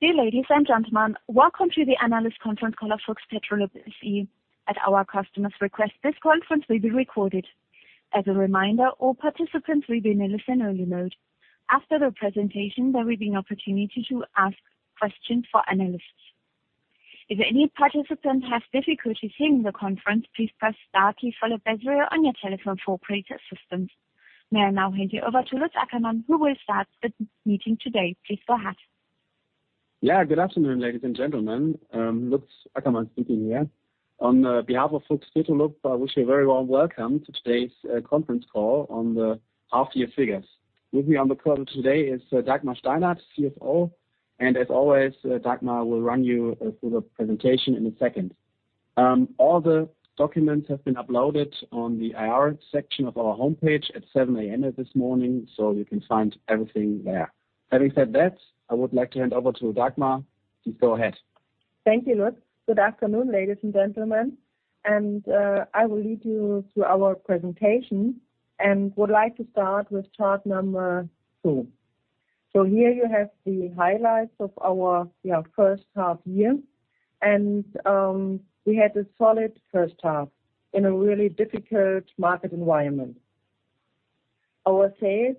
Dear ladies and gentlemen, welcome to the analyst conference call of Fuchs Petrolub SE. At our customer's request, this conference will be recorded. As a reminder, all participants will be in a listen-only mode. After the presentation, there will be an opportunity to ask questions for analysts. If any participants have difficulty hearing the conference, please press star, then zero on your telephone for operator assistance. May I now hand you over to Lutz Ackermann, who will start the meeting today. Please go ahead. Yeah. Good afternoon, ladies and gentlemen. Lutz Ackermann speaking here. On behalf of Fuchs Petrolub SE, I wish you a very warm welcome to today's conference call on the half year figures. With me on the call today is Dagmar Steinert, CFO. As always, Dagmar will run you through the presentation in a second. All the documents have been uploaded on the IR section of our homepage at 7 A.M. this morning, so you can find everything there. Having said that, I would like to hand over to Fuchs Petrolub. Please go ahead. Thank you, Lutz. Good afternoon, ladies and gentlemen. I will lead you through our presentation and would like to start with chart number two. Here you have the highlights of our first half year. We had a solid first half in a really difficult market environment. Our sales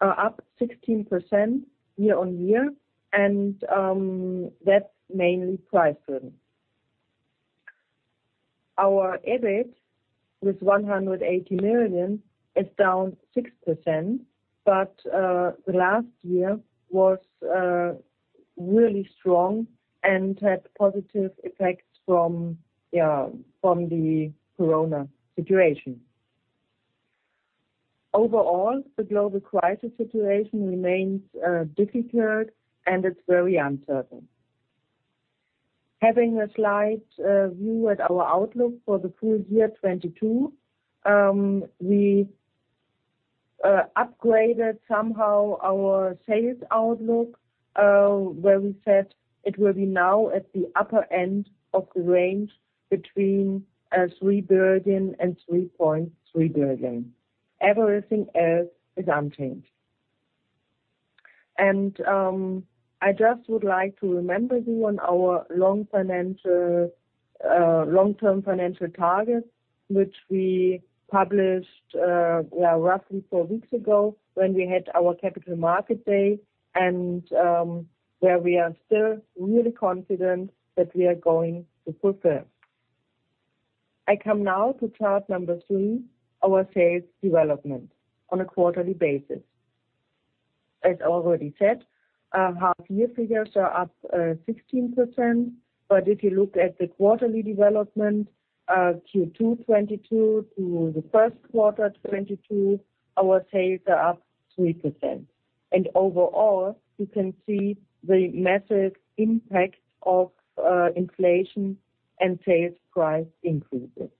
are up 16% year-on-year, and that's mainly price driven. Our EBIT with 180 million is down 6%, but the last year was really strong and had positive effects from the corona situation. Overall, the global crisis situation remains difficult, and it's very uncertain. Having a slight view at our outlook for the full year 2022, we upgraded somehow our sales outlook, where we said it will be now at the upper end of the range between 3 billion and 3.3 billion. Everything else is unchanged. I just would like to remind you of our long-term financial targets, which we published roughly four weeks ago when we had our Capital Markets Day and where we are still really confident that we are going to fulfill. I come now to chart number three, our sales development on a quarterly basis. As already said, our half year figures are up 16%. If you look at the quarterly development, Q2 2022 to the first quarter 2022, our sales are up 3%. Overall, you can see the massive impact of inflation and sales price increases.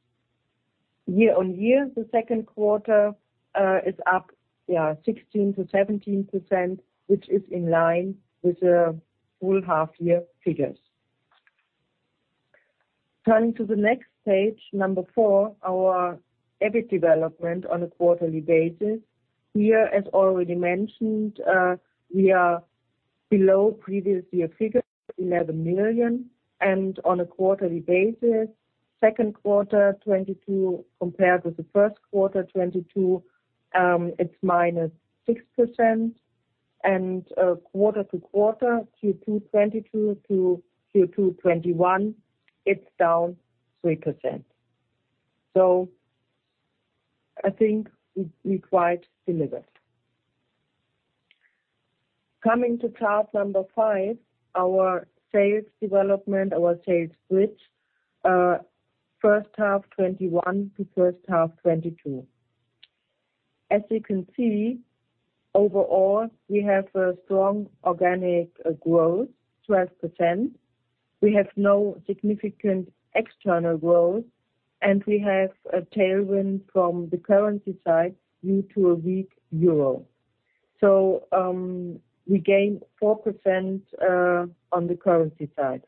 Year-over-year, the second quarter is up 16%-17%, which is in line with the full half year figures. Turning to the next page, number four, our EBIT development on a quarterly basis. Here, as already mentioned, we are below previous year figures, 11 million. And on a quarterly basis, second quarter 2022 compared with the first quarter 2022, it's -6%. And quarter-over-quarter, Q2 2022 to Q2 2021, it's down 3%. I think we quite delivered. Coming to chart number five, our sales development, our sales split, first half 2021 to first half 2022. As you can see, overall, we have a strong organic growth, 12%. We have no significant external growth, and we have a tailwind from the currency side due to a weak euro. We gained 4% on the currency side.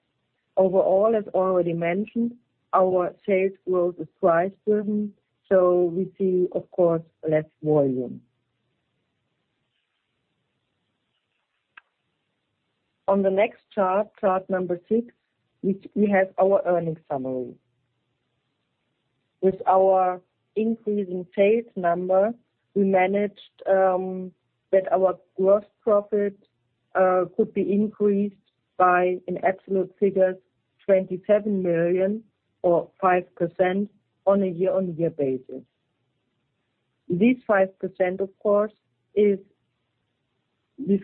Overall, as already mentioned, our sales growth is price-driven, so we see, of course, less volume. On the next chart number six, which we have our earnings summary. With our increasing sales number, we managed that our gross profit could be increased by an absolute figure, 27 million or 5% on a year-over-year basis. This 5%, of course,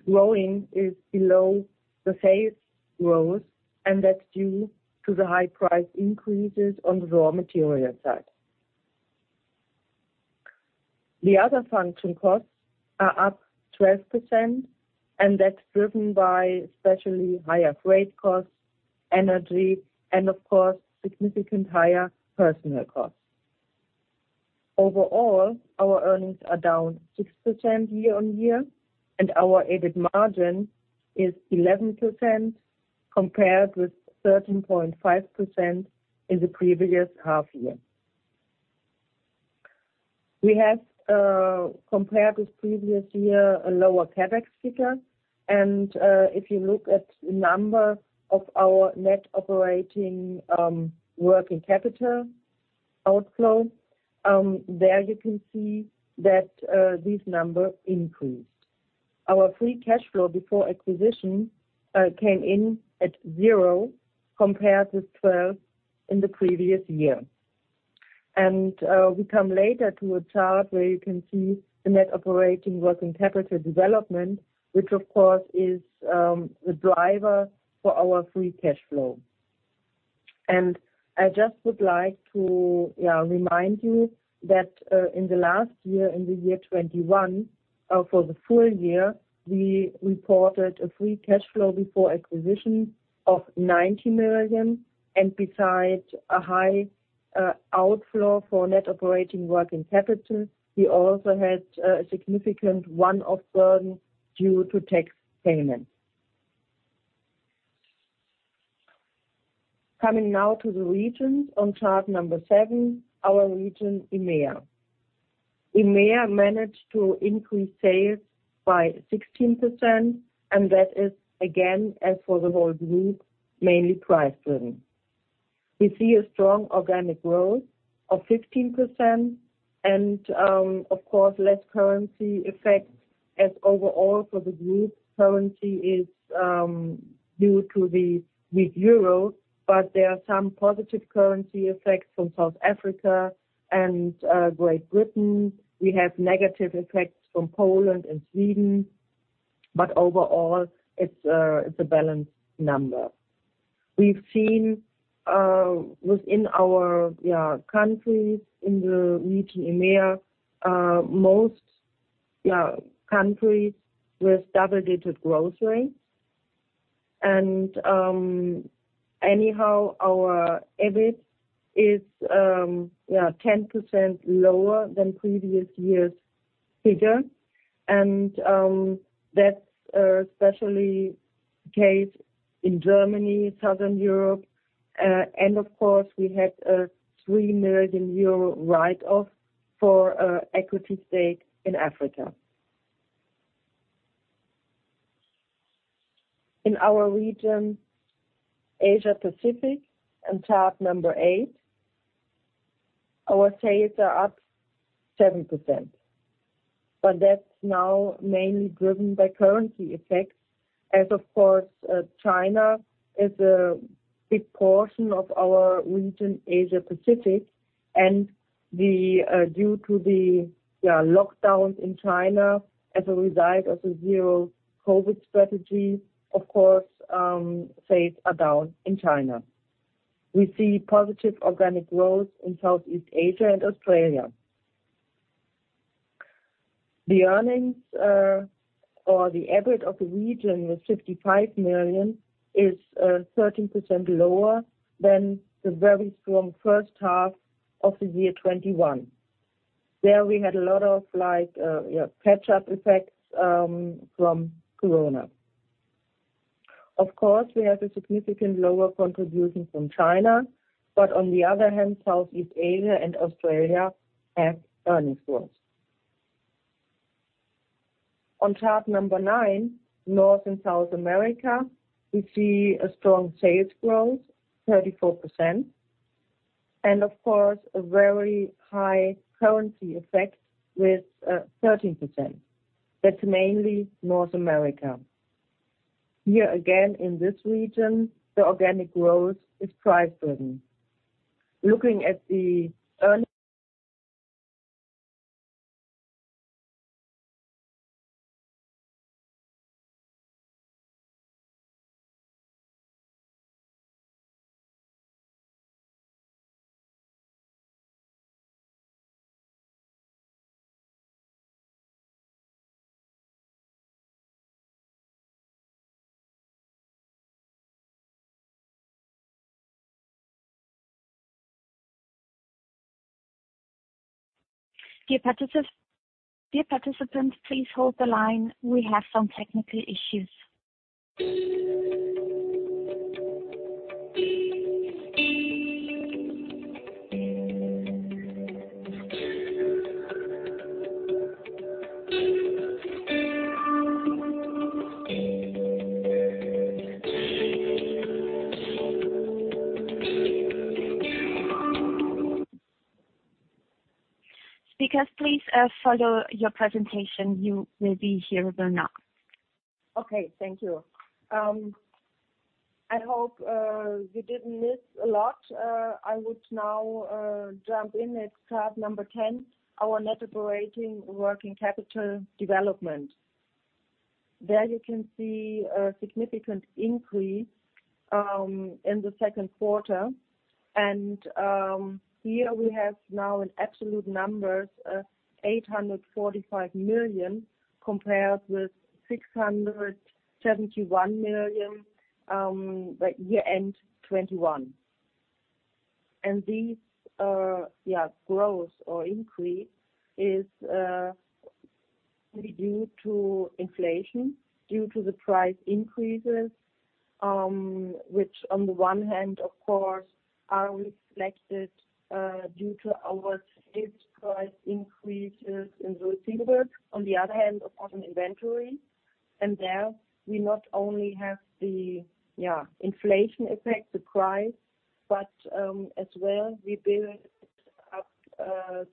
growth is below the sales growth, and that's due to the high price increases on the raw material side. The other functional costs are up 12%, and that's driven by especially higher freight costs, energy, and of course, significantly higher personnel costs. Overall, our earnings are down 6% year-on-year, and our EBIT margin is 11% compared with 13.5% in the previous half year. We have, compared with previous year, a lower CapEx figure. If you look at the number of our net operating working capital outflow, there you can see that this number increased. Our free cash flow before acquisition came in at 0 compared to 12 million in the previous year. We come later to a chart where you can see the net operating working capital development, which of course is the driver for our free cash flow. I just would like to remind you that in the last year, in the year 2021, for the full year, we reported a free cash flow before acquisition of 90 million. Besides a high outflow for net operating working capital, we also had a significant one-off burden due to tax payments. Coming now to the regions, on chart seven our region EMEA. EMEA managed to increase sales by 16%, and that is again, as for the whole group, mainly price-driven. We see a strong organic growth of 15% and, of course, less currency effects as overall for the group currency is, due to the weak euro, but there are some positive currency effects from South Africa and Great Britain. We have negative effects from Poland and Sweden, but overall, it's a balanced number. We've seen within our countries in the region EMEA, most countries with double-digit growth rates. Anyhow, our EBIT is 10% lower than previous year's figure. That's especially the case in Germany, Southern Europe. Of course, we had a 3 million euro write-off for equity stake in Africa. In our region, Asia-Pacific, on chart number eight, our sales are up 7%. That's now mainly driven by currency effects as, of course, China is a big portion of our region, Asia-Pacific, and due to the lockdowns in China as a result of the zero-COVID strategy, of course, sales are down in China. We see positive organic growth in Southeast Asia and Australia. The earnings, or the EBIT of the region with 55 million is 13% lower than the very strong first half of the year 2021. There we had a lot of like catch-up effects from Corona. Of course, we have a significant lower contribution from China, but on the other hand, Southeast Asia and Australia have earnings growth. On chart number nine, North and South America, we see a strong sales growth, 34%, and of course, a very high currency effect with 13%. That's mainly North America. Here again, in this region, the organic growth is price-driven. Looking at the earn- Dear participants, please hold the line. We have some technical issues. Speakers, please, follow your presentation. You will be hearable now. Okay. Thank you. I hope you didn't miss a lot. I would now jump in at chart 10, our net operating working capital development. There you can see a significant increase in the second quarter. Here we have now in absolute numbers 845 million compared with 671 million by year-end 2021. These growth or increase is due to inflation, due to the price increases, which on the one hand, of course, are reflected due to our sales price increases in those figures. On the other hand, of course, on inventory, and there we not only have the inflation effect, the price, but as well, we build up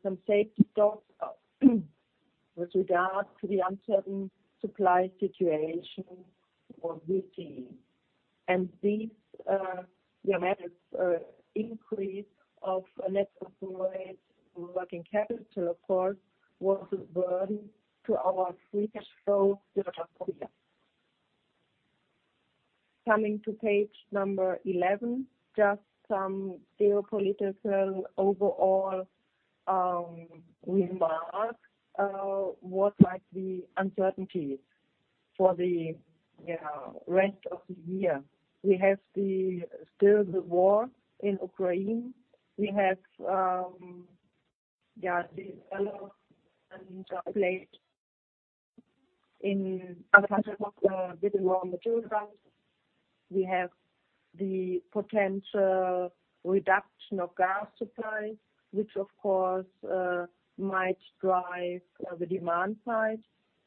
some safety stocks with regard to the uncertain supply situation we're seeing. This increase of net operating working capital, of course, was a burden to our free cash flow during the quarter. Coming to page 11, just some geopolitical overall remarks, what might be uncertainties for the rest of the year. We still have the war in Ukraine. We have the developments playing out in other countries with the raw material price. We have the potential reduction of gas supply, which of course might drive the demand side.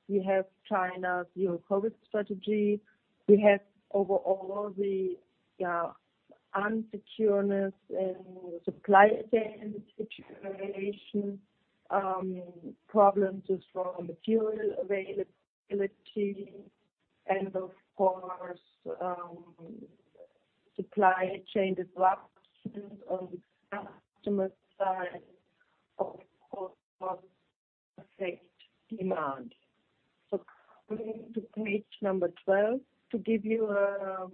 We have China's zero-COVID strategy. We have overall the uncertainty in supply chain situation, problems with raw material availability, and of course, supply chain disruptions on the customer side, of course, affect demand. Going to page 12 to give you a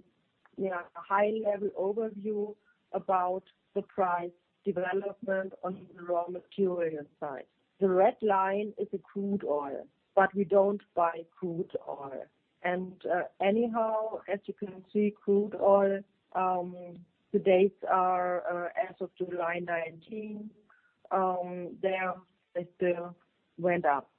high-level overview about the price development on the raw material side. The red line is the crude oil, but we don't buy crude oil. Anyhow, as you can see, crude oil, the dates are as of July 19, there it went up.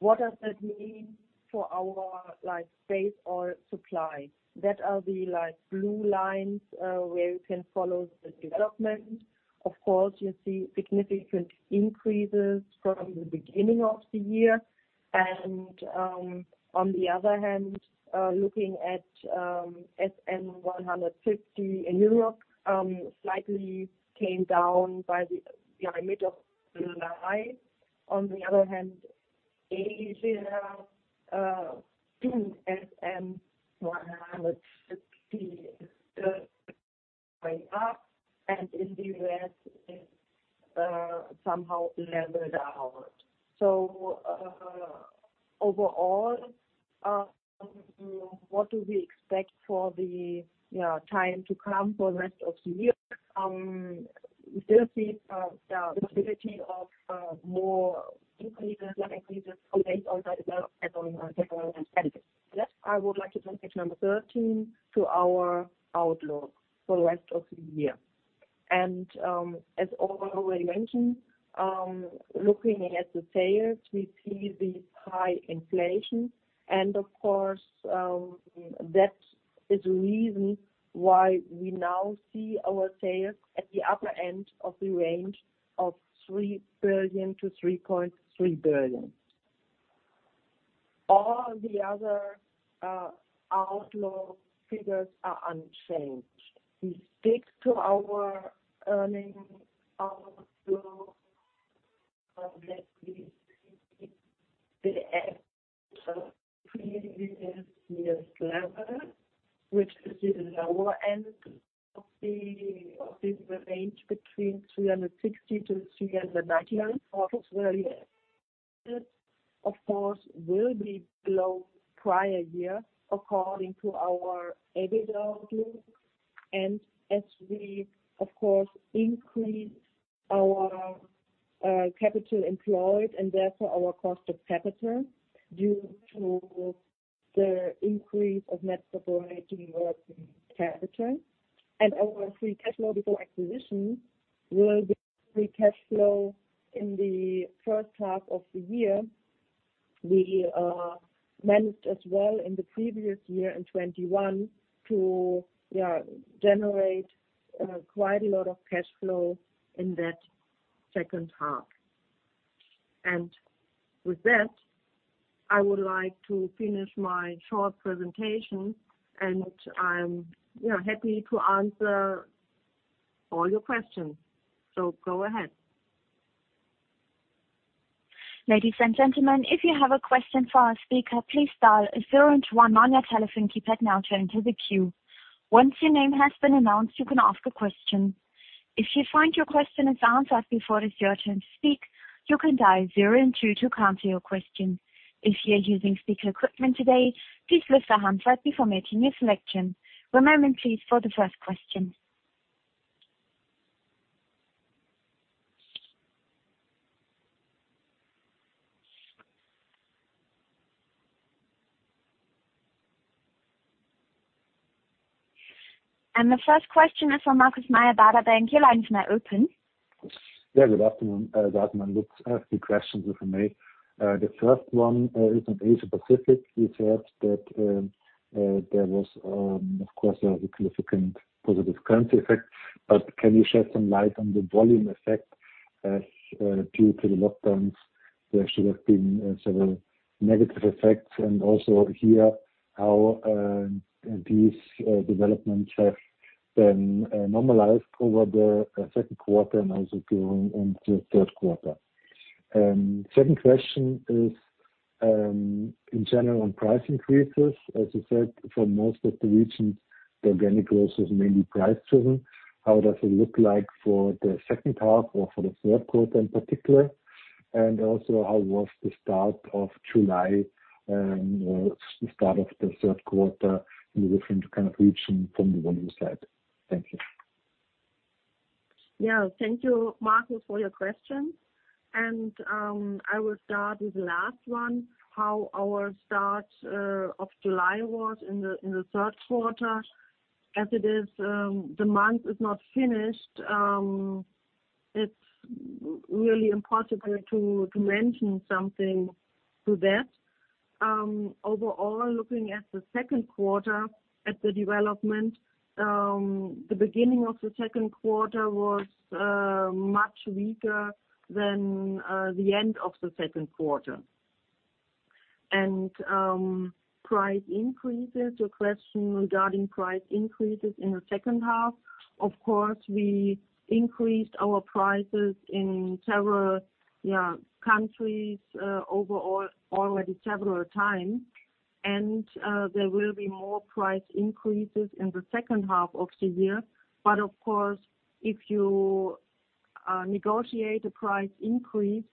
What does that mean for our like, base oil supply? That are the like, blue lines, where you can follow the development. Of course, you see significant increases from the beginning of the year and, on the other hand, looking at SN 150 in Europe, slightly came down by the, yeah, mid of July. On the other hand, Asia, SN 150 is still way up, and in the US it somehow leveled out. Overall, what do we expect for the, yeah, time to come for the rest of the year? We still see the possibility of more increases, like increases from base oil as well as on development. Next, I would like to turn to page number 13 to our outlook for the rest of the year. As already mentioned, looking at the sales, we see this high inflation. Of course, that is the reason why we now see our sales at the upper end of the range of 3 billion-3.3 billion. All the other outlook figures are unchanged. We stick to our earnings outlook of at least the EPS of EUR 3.11, which is the lower end of the range between 360-399. Of course, will be below prior year according to our EBITDA outlook. As we, of course, increase our capital employed and therefore our cost of capital due to the increase of net operating working capital. Our free cash flow before acquisition will be free cash flow in the first half of the year. We managed as well in the previous year, in 2021, to generate quite a lot of cash flow in that second half. With that, I would like to finish my short presentation, and I'm, you know, happy to answer all your questions. Go ahead. Ladies and gentlemen, if you have a question for our speaker, please dial a zero and two on your telephone keypad now to enter the queue. Once your name has been announced, you can ask a question. If you find your question is answered before it is your turn to speak, you can dial zero and two to cancel your question. If you are using speaker equipment today, please lift the handset before making your selection. One moment, please, for the first question. The first question is from Markus Meyer, Baader Bank. Your line is now open. Yeah. Good afternoon, Lutz Ackermann. I have two questions, if I may. The first one is on Asia-Pacific. You said that, of course, there was a significant positive currency effect. But can you shed some light on the volume effect as due to the lockdowns, there should have been several negative effects. And also here, how these developments have been normalized over the second quarter and also going into the third quarter. Second question is, in general on price increases. As you said, for most of the regions, the organic growth is mainly price-driven. How does it look like for the second half or for the third quarter in particular? Also, how was the start of July, or the start of the third quarter in the different kind of regions from the one you said? Thank you. Yeah. Thank you, Markus, for your question. I will start with the last one, how our start of July was in the third quarter. As it is, the month is not finished, it's really impossible to mention something to that. Overall, looking at the second quarter, at the development, the beginning of the second quarter was much weaker than the end of the second quarter. Price increases, your question regarding price increases in the second half, of course, we increased our prices in several, yeah, countries, overall already several times. There will be more price increases in the second half of the year. Of course, if you negotiate a price increase,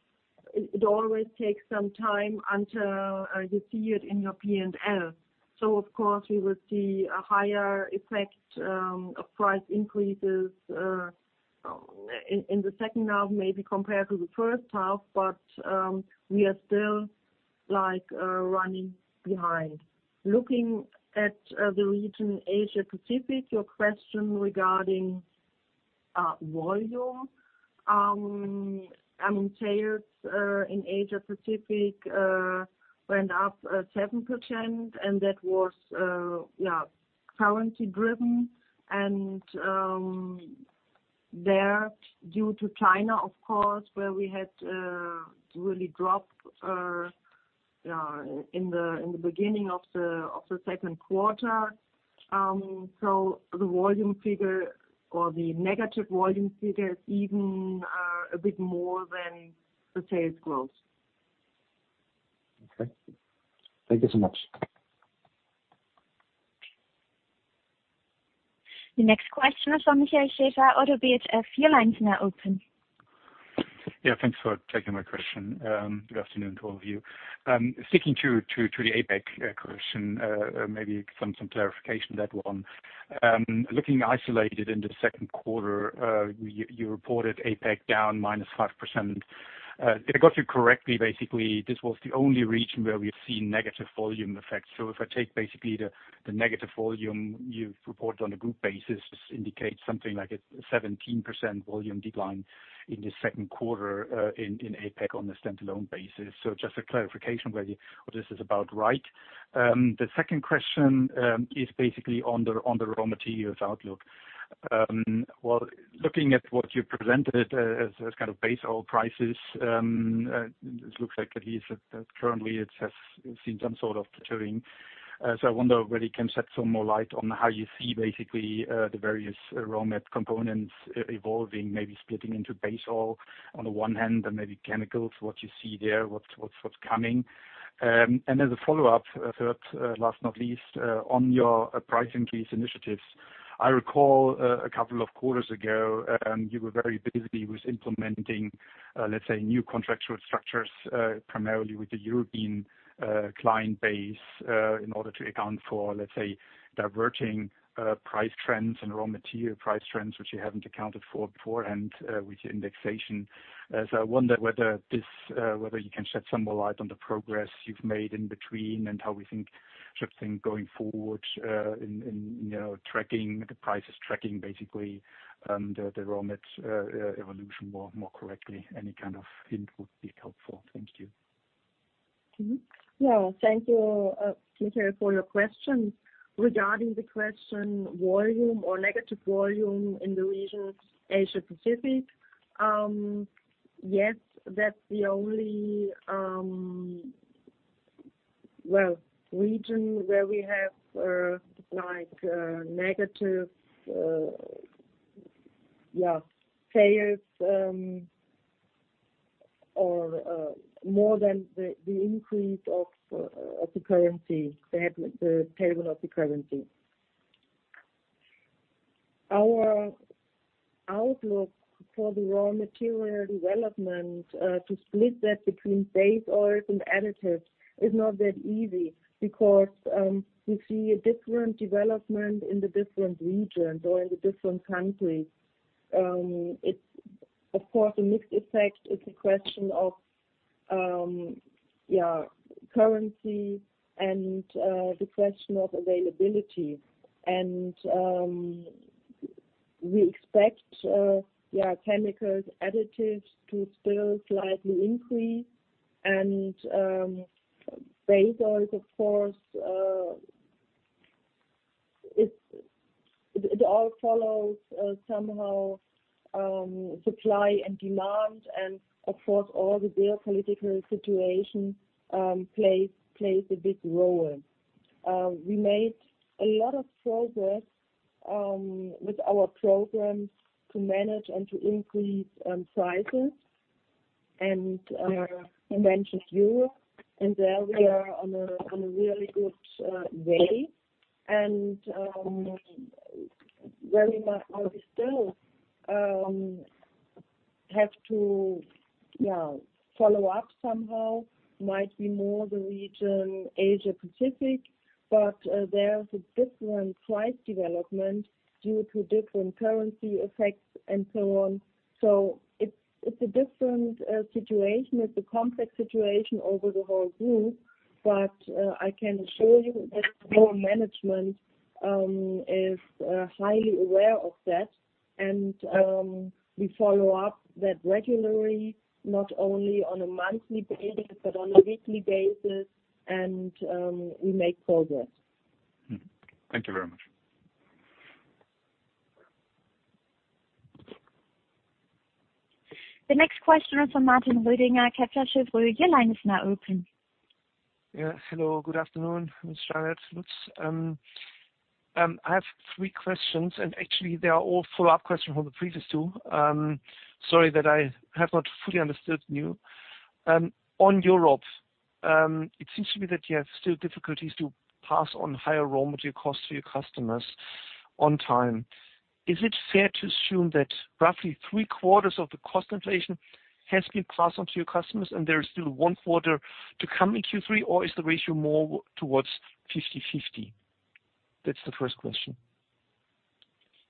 it always takes some time until you see it in your P&L. Of course, we will see a higher effect of price increases in the second half, maybe compared to the first half, but we are still like running behind. Looking at the region Asia-Pacific, your question regarding volume, I mean, sales in Asia-Pacific went up 7%, and that was yeah, currency driven. There, due to China, of course, where we had really dropped yeah in the beginning of the second quarter. The volume figure or the negative volume figure is even a bit more than the sales growth. Okay. Thank you so much. The next question is from Michael Schaefer, Oddo BHF. Your line is now open. Yeah. Thanks for taking my question. Good afternoon to all of you. Sticking to the APAC question, maybe some clarification on that one. Looking isolated in the second quarter, you reported APAC down -5%. Did I got you correctly, basically, this was the only region where we've seen negative volume effects. If I take basically the negative volume you've reported on a group basis, this indicates something like a 17% volume decline in the second quarter in APAC on a standalone basis. Just a clarification whether or not this is about right. The second question is basically on the raw materials outlook. Well, looking at what you presented as kind of base oil prices, this looks like at least that currently it has seen some sort of tapering. I wonder whether you can shed some more light on how you see basically the various raw materials components evolving, maybe splitting into base oil on the one hand and maybe chemicals, what you see there, what's coming. As a follow-up, third, last but not least, on your price increase initiatives. I recall a couple of quarters ago you were very busy with implementing, let's say, new contractual structures primarily with the European client base in order to account for, let's say, diverging price trends and raw material price trends, which you haven't accounted for beforehand with your indexation. I wonder whether you can shed some more light on the progress you've made in between and how we think such thing going forward, in, you know, tracking the prices, tracking basically, the raw materials evolution more correctly. Any kind of hint would be helpful. Thank you. Mm-hmm. Yeah. Thank you, Michael, for your question. Regarding the question, volume or negative volume in the region Asia-Pacific, yes, that's the only, well, region where we have, like, negative sales or more than the increase of the currency, the favorable of the currency. Our outlook for the raw material development, to split that between base oils and additives is not that easy because, we see a different development in the different regions or in the different countries. It's of course a mixed effect. It's a question of currency and the question of availability. We expect chemical additives to still slightly increase and base oils of course. It all follows somehow supply and demand, and of course, all the geopolitical situation plays a big role. We made a lot of progress with our programs to manage and to increase prices and manage formulae. There we are on a really good way, and where we might or we still have to follow up somehow might be more the region Asia-Pacific, but there's a different price development due to different currency effects and so on. It's a different situation. It's a complex situation over the whole group, but I can assure you that our management is highly aware of that. We follow up that regularly, not only on a monthly basis, but on a weekly basis, and we make progress. Thank you very much. The next question is from Martin Roediger, Kepler Cheuvreux. Your line is now open. Yeah. Hello, good afternoon, Dagmar Steinert, Lutz Ackermann. I have three questions, and actually they are all follow-up questions from the previous two. Sorry that I have not fully understood you. On Europe, it seems to me that you have still difficulties to pass on higher raw material costs to your customers on time. Is it fair to assume that roughly three-quarters of the cost inflation has been passed on to your customers and there is still one quarter to come in Q3, or is the ratio more towards fifty-fifty? That's the first question.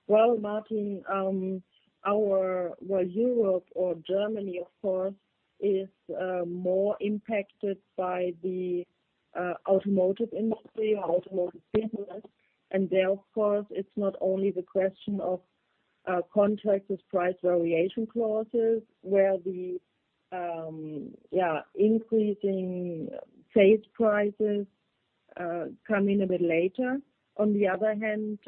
Well, Martin, Europe or Germany of course is more impacted by the automotive industry or automotive business. There of course it's not only the question of contracted price variation clauses where the yeah increasing base prices come in a bit later. On the other hand,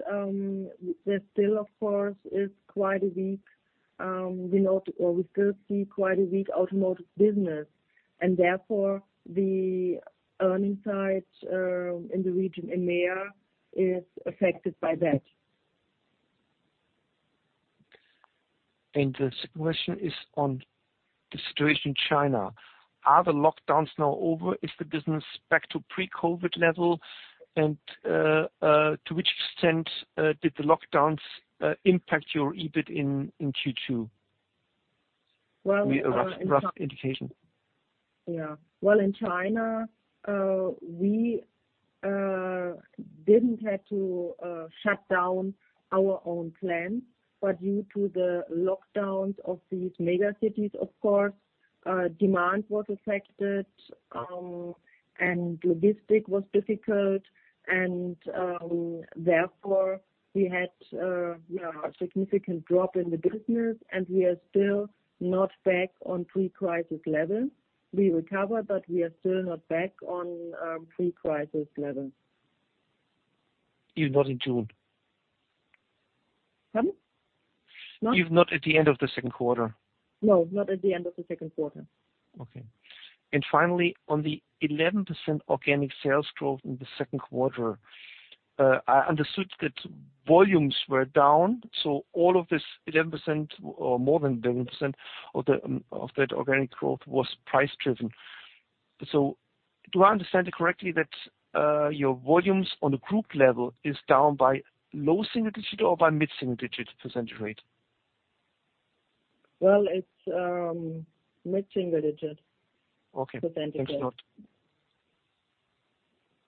there still of course is quite a weak, we note or we still see quite a weak automotive business, and therefore the earnings side in the region, EMEA, is affected by that. The second question is on the situation in China. Are the lockdowns now over? Is the business back to pre-COVID level? To which extent did the lockdowns impact your EBIT in Q2? Well, A rough indication. Yeah. Well, in China, we didn't have to shut down our own plant, but due to the lockdowns of these mega cities of course, demand was affected, and logistics was difficult and, therefore we had a significant drop in the business and we are still not back on pre-crisis level. We recover, but we are still not back on pre-crisis level. Even not in June? Pardon? No. Even not at the end of the second quarter? No, not at the end of the second quarter. Okay. Finally, on the 11% organic sales growth in the second quarter, I understood that volumes were down, so all of this 11% or more than 11% of that organic growth was price driven. Do I understand it correctly that your volumes on the group level is down by low single digit or by mid-single digit percentage rate? Well, it's mid-single digit. Okay. -percentage.t Thanks a lot.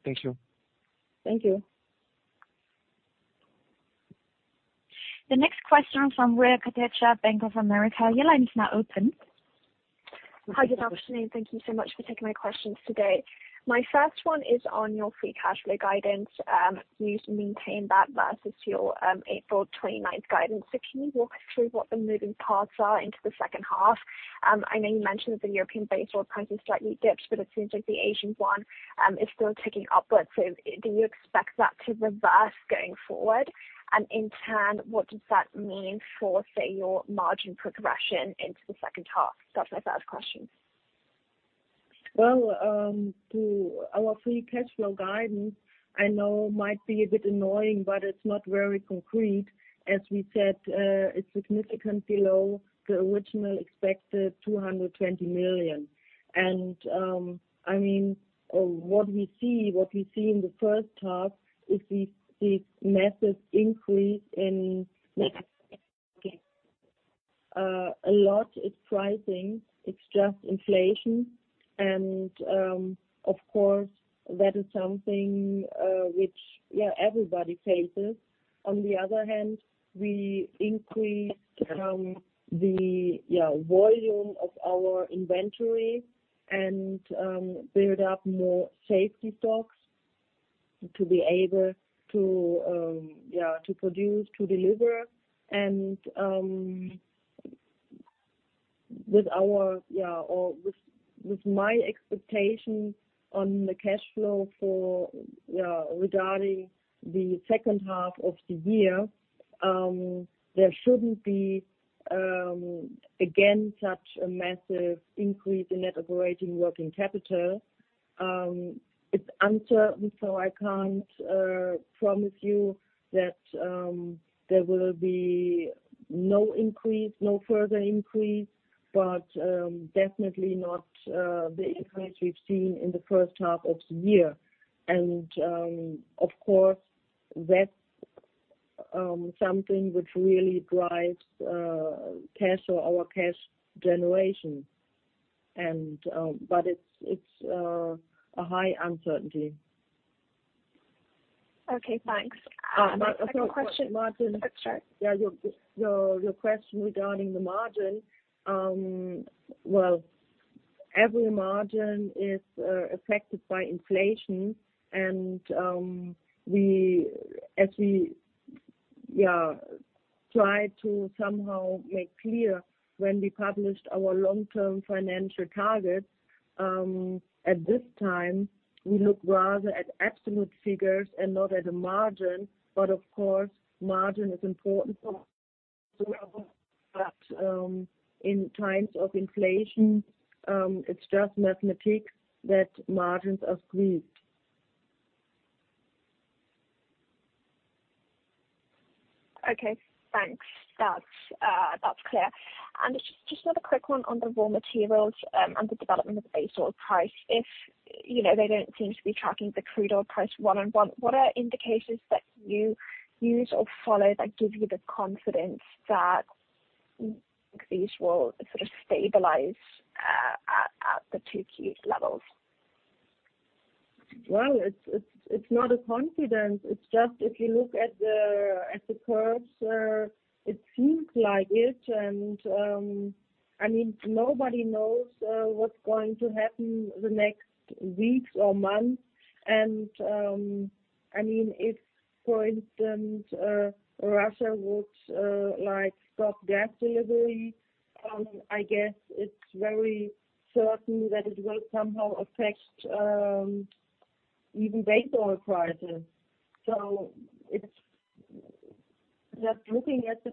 Thank you. Thank you. The next question from Riya Kotecha, Bank of America. Your line is now open. Ms. Kotecha. Hi, good afternoon. Thank you so much for taking my questions today. My first one is on your free cash flow guidance. You've maintained that versus your April 29th guidance. Can you walk us through what the moving parts are into the second half? I know you mentioned that the European base oil prices slightly dipped, but it seems like the Asian one is still ticking upwards. Do you expect that to reverse going forward? In turn, what does that mean for, say, your margin progression into the second half? That's my first question. Well, to our free cash flow guidance, I know it might be a bit annoying, but it's not very concrete. As we said, it's significantly below the original expected 220 million. I mean, what we see in the first half is the massive increase in Okay. A lot is pricing, it's just inflation. Of course that is something which everybody faces. On the other hand, we increased the volume of our inventory and build up more safety stocks. To be able to produce, to deliver and with my expectation on the cash flow for regarding the second half of the year, there shouldn't be again such a massive increase in net operating working capital. It's uncertain, so I can't promise you that there will be no increase, no further increase, but definitely not the increase we've seen in the first half of the year. Of course, that something which really drives cash or our cash generation. But it's a high uncertainty. Okay, thanks. Yeah. Your question regarding the margin. Well, every margin is affected by inflation and we try to somehow make clear when we published our long-term financial targets, at this time, we look rather at absolute figures and not at a margin. Of course, margin is important, but in times of inflation, it's just mathematics that margins are squeezed. Okay, thanks. That's clear. Just another quick one on the raw materials, and the development of base oil price. If you know, they don't seem to be tracking the crude oil price one on one, what are indications that you use or follow that give you the confidence that these will sort of stabilize at the two key levels? Well, it's not a coincidence. It's just if you look at the curves, it seems like it. I mean, nobody knows what's going to happen the next weeks or months. I mean, if, for instance, Russia would like stop gas delivery, I guess it's very certain that it will somehow affect even base oil prices. It's just looking at the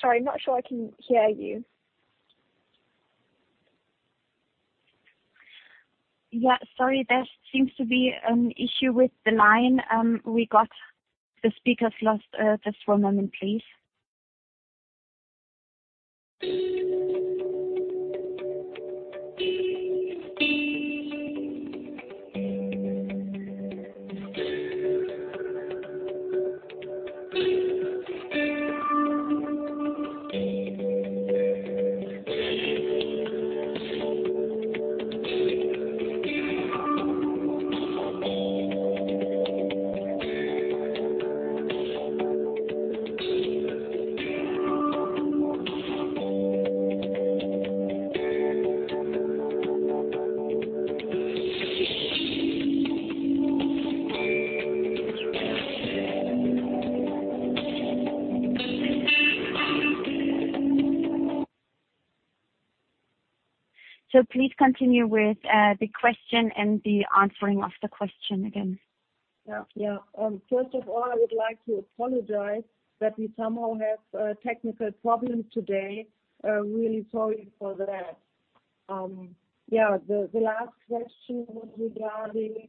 Sorry, I'm not sure I can hear you. Yeah, sorry, there seems to be an issue with the line. We got the speakers lost, just one moment, please. Please continue with the question and the answering of the question again. Yeah. First of all, I would like to apologize that we somehow have technical problems today. Really sorry for that. The last question was regarding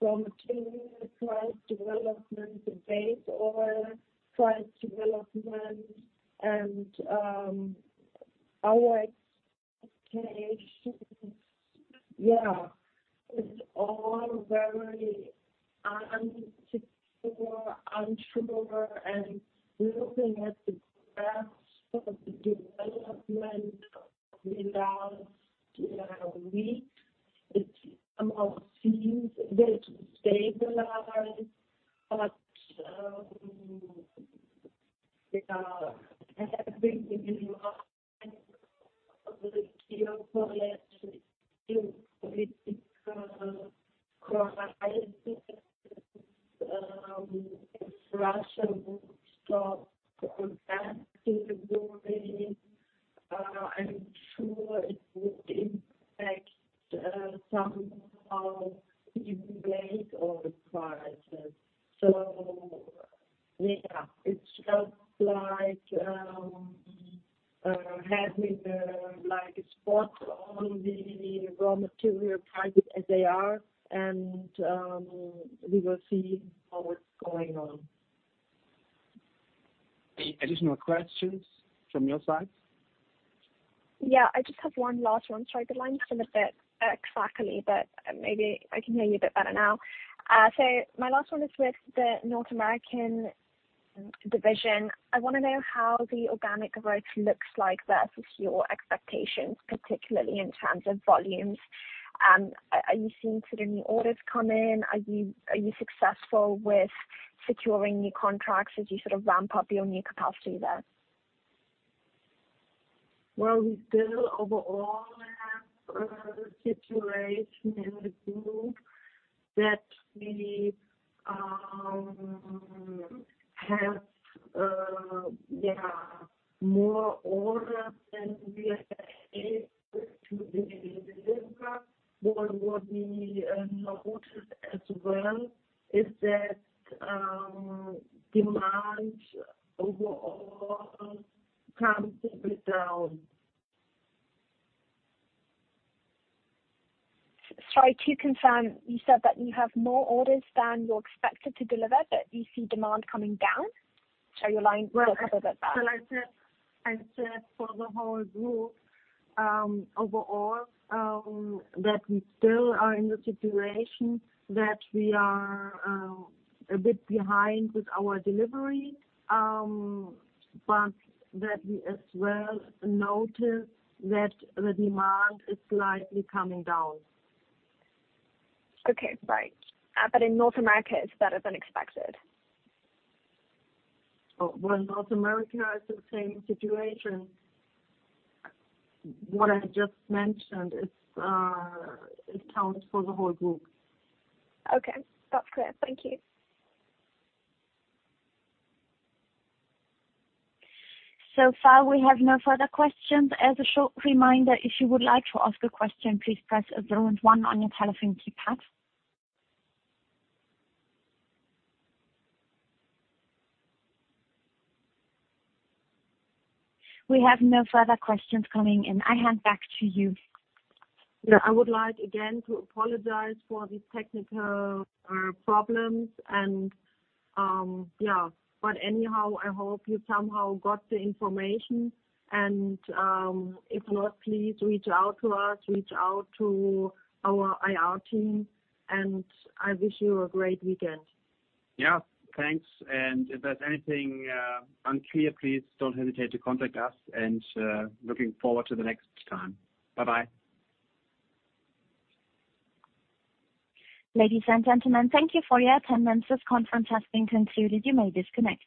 from material price development to base oil price development and our expectations. It's all very uncertain, unsure. Looking at the graphs of the development in the last, you know, weeks, it almost seems they're stabilized. Having in mind the geopolitical crisis, if Russia would stop gas delivery, I'm sure it would impact somehow even base oil prices. It's just like having a spot on the raw material prices as they are. We will see how it's going on. Any additional questions from your side? Yeah, I just have one last one. Sorry, the line cut a bit, crackly, but maybe I can hear you a bit better now. My last one is with the North American division. I wanna know how the organic growth looks like versus your expectations, particularly in terms of volumes. Are you seeing sort of new orders come in? Are you successful with securing new contracts as you sort of ramp up your new capacity there? Well, we still overall have a situation in the group that we have more orders than we are able to deliver. What we noted as well is that demand overall comes simply down. Sorry, to confirm, you said that you have more orders than you expected to deliver, but you see demand coming down? Sorry, your line broke up a bit there. Well, as I said for the whole group, overall, that we still are in the situation that we are, a bit behind with our delivery, but that we as well notice that the demand is slightly coming down. Okay. Right. In North America, it's better than expected. Oh. Well, North America is the same situation. What I just mentioned, it counts for the whole group. Okay. That's clear. Thank you. So far we have no further questions. As a short reminder, if you would like to ask a question, please press zero and one on your telephone keypad. We have no further questions coming in. I hand back to you. I would like again to apologize for the technical problems. Anyhow, I hope you somehow got the information, and if not, please reach out to us, reach out to our IR team, and I wish you a great weekend. Yeah, thanks. If there's anything unclear, please don't hesitate to contact us, and looking forward to the next time. Bye-bye. Ladies and gentlemen, thank you for your attendance. This conference has been concluded. You may disconnect.